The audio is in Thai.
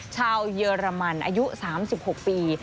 เยอรมันอายุ๓๖ปี